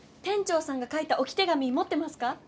店長さんが書いたおき手紙もってますか？